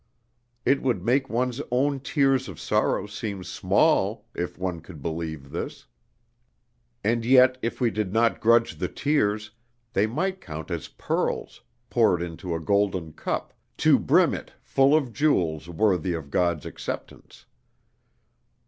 It would make one's own tears of sorrow seem small, if one could believe this; and yet if we did not grudge the tears, they might count as pearls, poured into a golden cup, to brim it full of jewels worthy of God's acceptance.